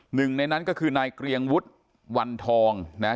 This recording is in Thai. หนึ่งในนั้นก็คือนายเกรียงวุฒิวันทองนะฮะ